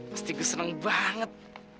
pasti gua seneng banget